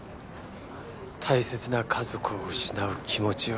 大切な家族を失う気持ちは？